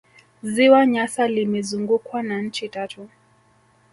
ziwa nyasa limezungukwa na nchi tatu